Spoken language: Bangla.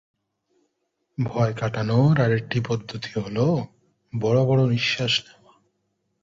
ভয় কাটানোর আরেকটি পদ্ধতি হল বড়-বড় নিঃশ্বাস নেওয়া।